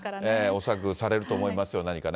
恐らくされると思いますよ、何かね。